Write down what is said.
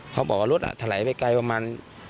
เขาบอกว่ารถถลายไปไกลประมาณ